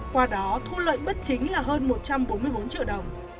qua đó thu lợi bất chính là hơn một trăm bốn mươi bốn triệu đồng